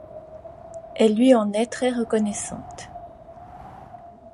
Elle lui en est très reconnaissante.